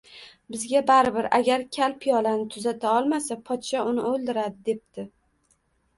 Bizga baribir, agar kal piyolani tuzata olmasa, podsho uni o‘ldiradi, debdi